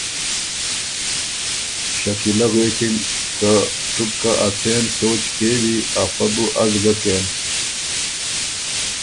شکيلۀ غوېکِن که ”تُو بو که ا څېن سوچ کېوی افۀ بو از ګۀ کېم“